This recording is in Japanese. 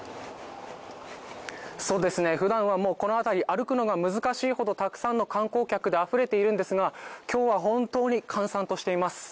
そうですね、ふだんはこの辺り歩くのが難しいほどたくさんの観光客であふれているんですが、今日は本当に閑散としています。